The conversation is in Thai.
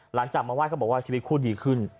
หลังจากมาไห้เขาบอกว่าชีวิตคู่ดีขึ้น